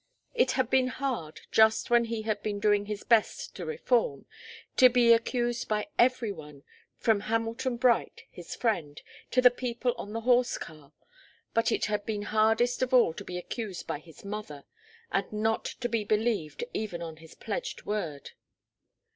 It had been hard, just when he had been doing his best to reform, to be accused by every one, from Hamilton Bright, his friend, to the people on the horse car; but it had been hardest of all to be accused by his mother, and not to be believed even on his pledged word.